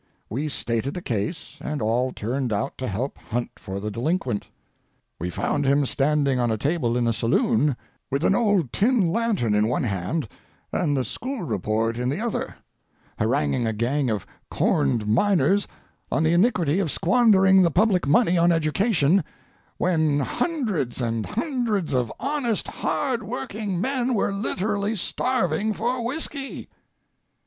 We stated the case, and all turned out to help hunt for the delinquent. We found him standing on a table in a saloon, with an old tin lantern in one hand and the school report in the other, haranguing a gang of "corned" miners on the iniquity of squandering the public money on education "when hundreds and hundreds of honest, hard working men were literally starving for whiskey."